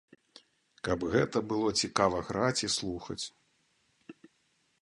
Каб гэта было цікава граць і слухаць.